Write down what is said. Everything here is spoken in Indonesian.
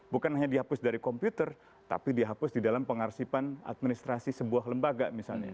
bukan hanya dihapus dari komputer tapi dihapus di dalam pengarsipan administrasi sebuah lembaga misalnya